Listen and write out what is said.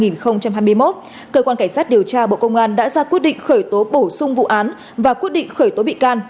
năm hai nghìn hai mươi một cơ quan cảnh sát điều tra bộ công an đã ra quyết định khởi tố bổ sung vụ án và quyết định khởi tố bị can